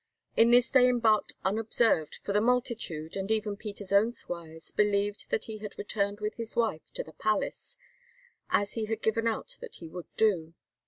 In this they embarked unobserved, for the multitude, and even Peter's own squires believed that he had returned with his wife to the palace, as he had given out that he would do.